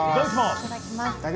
いただきます。